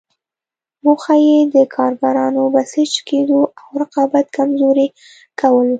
موخه یې د کارګرانو بسیج کېدو او رقابت کمزوري کول وو.